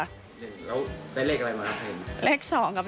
แล้วได้เลขอะไรมาครับ